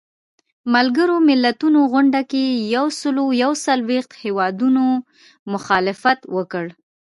ملګرو ملتونو غونډې کې یو سلو یو څلویښت هیوادونو مخالفت وکړ.